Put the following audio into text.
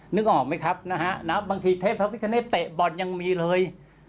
นึกออกไหมครับบางทีเทพพระวิทยาลัยเตะบอลยังมีเลย